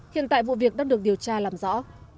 hiện tại vụ việc đang được điều tra làm rõ